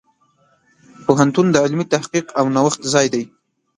پوهنتون د علمي تحقیق او نوښت ځای دی.